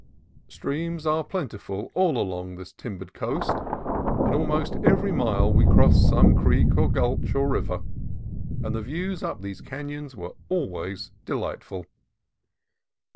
Streams are plentiful all along this timbered coast. At almost every mile we crossed some creek or gulch or river, and the views up these canons were always delightful.